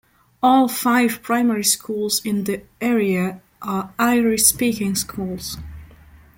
All five primary schools in the area are Irish-speaking schools.